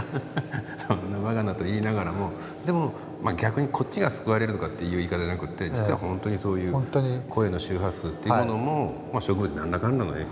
「そんなバカな」と言いながらもでも逆にこっちが救われるとかって言い方じゃなくて実はほんとに声の周波数っていうものも植物に何らかんらの影響をしている。